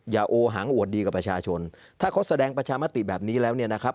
อย่าโอหังอวดดีกับประชาชนถ้าเขาแสดงประชามติแบบนี้แล้วเนี่ยนะครับ